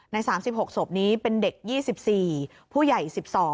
ใน๓๖ศพนี้เป็นเด็ก๒๔ผู้ใหญ่๑๒